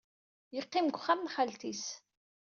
Yeqqim deg wexxam n xalti-s.